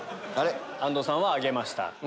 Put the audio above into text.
安藤さんは挙げました。